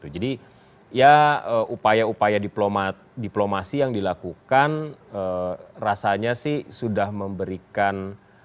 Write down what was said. jadi ya upaya upaya diplomasi yang dilakukan rasanya sih sudah memberikan